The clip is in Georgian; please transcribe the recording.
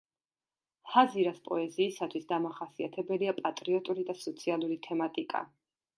ჰაზირას პოეზიისათვის დამახასიათებელია პატრიოტული და სოციალური თემატიკა.